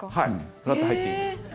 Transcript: フラッと入っていいんです。